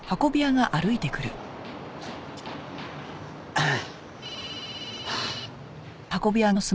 ああ。